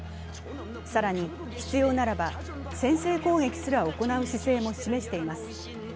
更に、必要ならば先制攻撃すら行う姿勢も示しています。